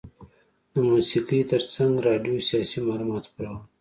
د موسیقي ترڅنګ راډیو سیاسي معلومات خپرول.